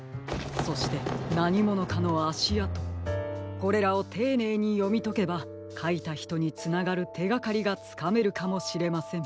これらをていねいによみとけばかいたひとにつながるてがかりがつかめるかもしれません。